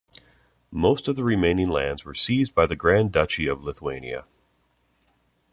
Most of the remaining lands were seized by the Grand Duchy of Lithuania.